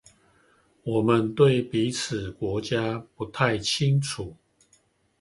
我們對彼此國家不太清楚